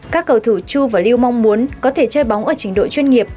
các cầu thủ chu và lưu mong muốn có thể chơi bóng ở trình độ chuyên nghiệp